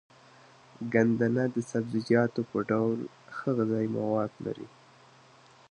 ګندنه د سبزيجاتو په ډول ښه غذايي مواد لري.